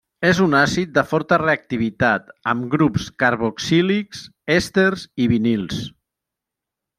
És un àcid de forta reactivitat amb grups carboxílics, èsters i vinils.